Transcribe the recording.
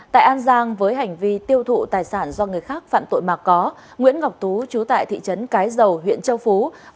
tại an giang với hành vi tiêu thụ tài sản do người khác phạm tội mà có nguyễn ngọc tú chú tại thị trấn cái dầu huyện châu phú